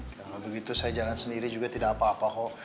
kalau begitu saya jalan sendiri juga tidak apa apa kok